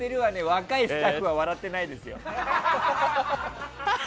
若いスタッフは笑ってないですよ。